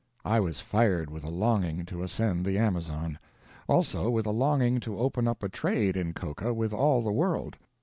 I was fired with a longing to ascend the Amazon. Also with a longing to open up a trade in coca with all the world.